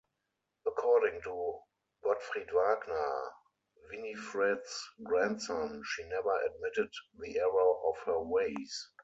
According to Gottfried Wagner, Winifred's grandson, she never admitted the error of her ways.